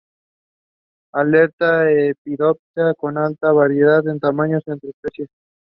The show was produced by Manchu Telefilms.